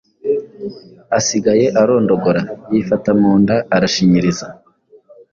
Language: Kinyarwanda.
asigaye arondogora yifata mu nda arashinyiriza